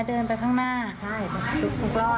เดินไปข้างหน้าใช่ทุกทุกรอบข้างหลาดมากไปแล้วฮะ